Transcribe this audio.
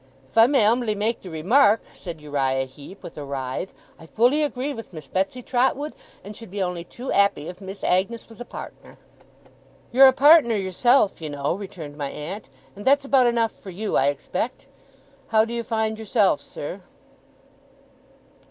'If I may umbly make the remark,' said Uriah Heep, with a writhe, 'I fully agree with Miss Betsey Trotwood, and should be only too appy if Miss Agnes was a partner.' 'You're a partner yourself, you know,' returned my aunt, 'and that's about enough for you, I expect. How do you find yourself, sir?